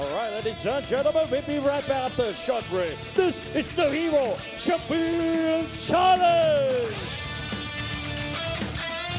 คุณภาพเต็มแมนขอเดินต่อไปให้รับความรู้นี่คือชันเวียนชันเวียล